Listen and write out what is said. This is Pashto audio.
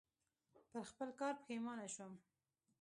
پر خپل کار پښېمانه شوم .